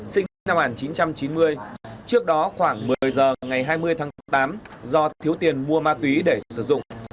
sinh năm một nghìn chín trăm chín mươi trước đó khoảng một mươi giờ ngày hai mươi tháng tám do thiếu tiền mua ma túy để sử dụng